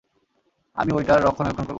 আমি ঐ টার রক্ষণাবেক্ষণ করবো।